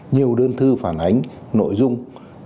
nhiều đơn thư phản ánh nội dung